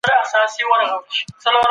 سالم ذهن راتلونکی نه زیانمنوي.